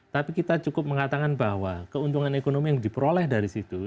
tapi kita cukup mengatakan bahwa keuntungan ekonomi yang diperoleh dari situ